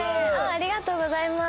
ありがとうございます。